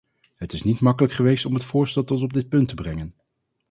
Het is niet makkelijk geweest om het voorstel tot op dit punt te brengen.